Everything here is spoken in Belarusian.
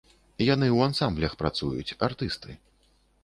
Яны ў ансамблях працуюць, артысты.